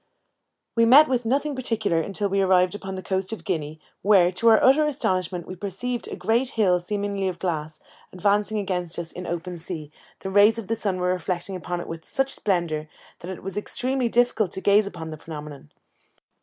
We met with nothing particular until we arrived upon the coast of Guinea, where, to our utter astonishment, we perceived a great hill, seemingly of glass, advancing against us in the open sea; the rays of the sun were reflected upon it with such splendour, that it was extremely difficult to gaze at the phenomenon.